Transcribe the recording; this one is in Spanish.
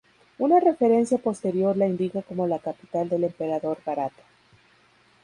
Una referencia posterior la indica como la capital del emperador Bharata.